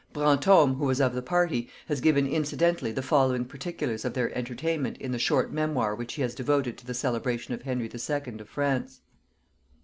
Brantome, who was of the party, has given incidentally the following particulars of their entertainment in the short memoir which he has devoted to the celebration of Henry II. of France.